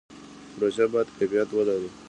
پروژې باید کیفیت ولري